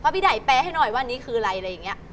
พี่ได่แปรให้หน่อยว่านี่คืออะไร